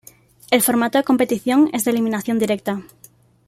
El formato de competición es de eliminación directa.